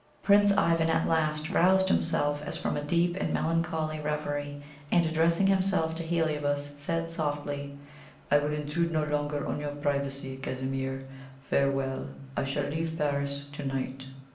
Prince Ivan at last roused himself as from a deep and melancholy reverie, and, addressing himself to Heliobas, said softly: "I will intrude no longer on your privacy, Casimir. Farewell! I shall leave Paris to night."